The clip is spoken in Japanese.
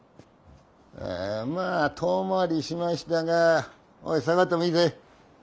まあ遠回りしましたがおい下がってもいいぜ。